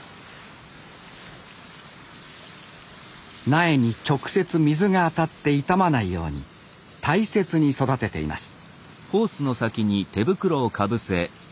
苗に直接水が当たって傷まないように大切に育てています。